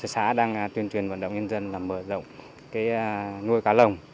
xã đang tuyên truyền vận động nhân dân là mở rộng nuôi cá lồng